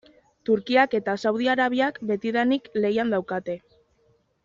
Turkiak eta Saudi Arabiak betidanik lehian daukate.